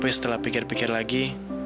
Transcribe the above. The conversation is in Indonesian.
setelah pikir pikir lagi